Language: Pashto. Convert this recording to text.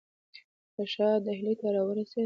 که شاه ډهلي ته را ورسېد.